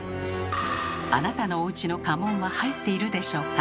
あなたのおうちの家紋は入っているでしょうか？